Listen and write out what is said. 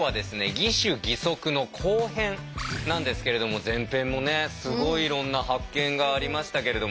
「義手義足」の後編なんですけれども前編もねすごいいろんな発見がありましたけれども。